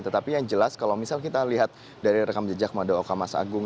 tetapi yang jelas kalau misal kita lihat dari rekam jejak madaoka mas agung